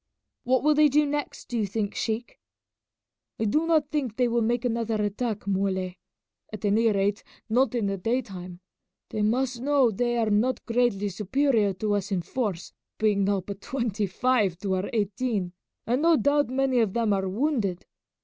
"What will they do next, do you think, sheik?" "I do not think they will make another attack, Muley; at any rate not in the daytime. They must know they are not greatly superior to us in force, being now but twenty five to our eighteen, and no doubt many of them are wounded.